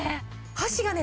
箸がね